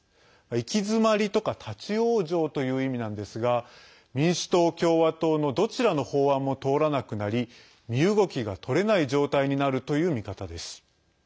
行き詰まりとか立往生という意味なんですが民主党、共和党のどちらの法案も通らなくなり身動きが取れない状態になるという見方です。